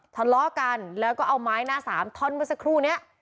ทะเลาะกันแล้วก็เอาไม้หน้าสามท่อนเมื่อสักครู่นี้